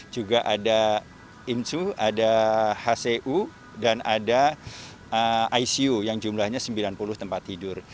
juga ada imsu ada hcu dan ada icu yang jumlahnya sembilan puluh tempat tidur